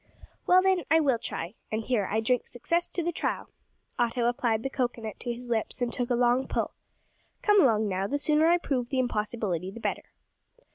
"Well, then, I will try, and here, I drink success to the trial." Otto applied the cocoa nut to his lips, and took a long pull. "Come along, now, the sooner I prove the impossibility the better."